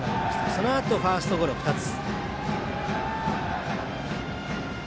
そのあと、ファーストゴロ２つ。